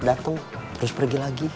tempat nperlu legislasi dekat